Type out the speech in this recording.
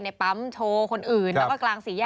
ปั๊มโชว์คนอื่นแล้วก็กลางสี่แยก